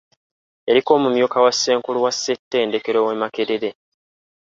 Yaliko omumyuka wa Ssenkulu wa ssettendekero w’e Makerere.